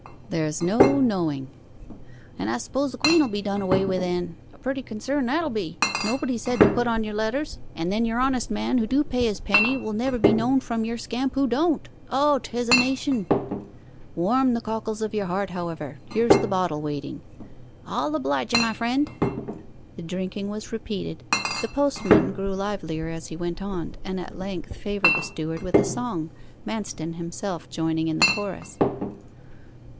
'There's no knowing.' 'And I suppose the Queen 'ill be done away wi' then. A pretty concern that'll be! Nobody's head to put on your letters; and then your honest man who do pay his penny will never be known from your scamp who don't. O, 'tis a nation!' 'Warm the cockles of your heart, however. Here's the bottle waiting.' 'I'll oblige you, my friend.' The drinking was repeated. The postman grew livelier as he went on, and at length favoured the steward with a song, Manston himself joining in the chorus.